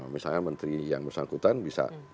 misalnya menteri yang bersangkutan bisa